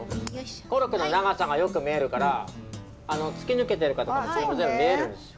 コルクの長さがよく見えるから突き抜けてるかとかも全部見えるんですよ。